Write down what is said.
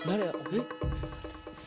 えっ？